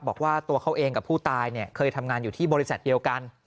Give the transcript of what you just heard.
บอกว่าตัวเขาเองกับผู้ตายเคยทำงานอยู่ที่บริษัทเดียวกัน